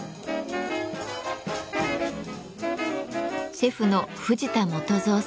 シェフの藤田統三さん。